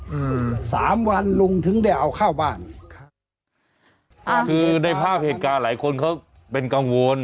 อืมสามวันลุงถึงได้เอาเข้าบ้านอ่าคือในภาพเหตุการณ์หลายคนเขาเป็นกังวล